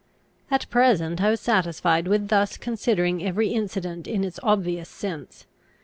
At present I was satisfied with thus considering every incident in its obvious sense.